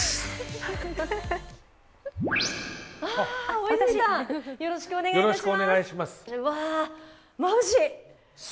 大泉さん、よろしくお願いします。